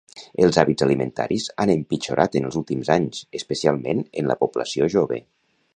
Els hàbits alimentaris han empitjorat en els últims anys, especialment en la població jove.